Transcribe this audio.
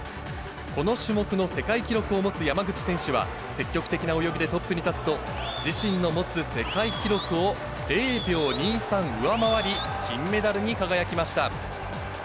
この種目の世界記録を持つ山口選手は、積極的な泳ぎでトップに立つと、自身の持つ世界記録を０秒２３上回り、金メダルに輝きました。